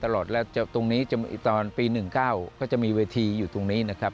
ตรงนี้ตอนปี๑๙ก็จะมีเวทีอยู่ตรงนี้นะครับ